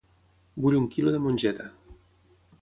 Vull un quilo de mongeta.